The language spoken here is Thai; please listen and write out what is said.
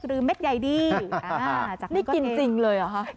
หรือเม็ดใหญ่ดีนี่กินจริงเลยหรอ